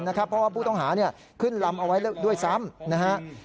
เพราะว่าผู้ต้องหาขึ้นลำเอาไว้ด้วยซ้ำ